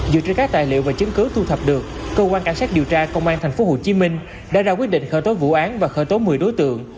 dựa trên các tài liệu và chứng cứ thu thập được công an tp hcm đã ra quyết định khởi tố vụ án và khởi tố một mươi đối tượng